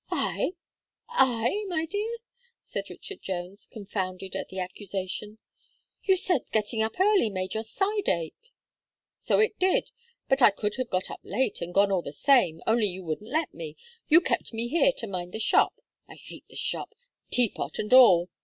"I I my dear!" said Richard Jones, confounded at the accusation, "you said getting up early made your side ache." "So it did; but I could have got up late, and gone all the same, only you wouldn't let me; you kept me here to mind the shop. I hate the shop. Teapot and all!"